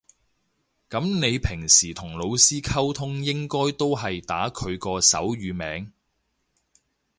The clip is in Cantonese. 噉你平時同老師溝通應該都係打佢個手語名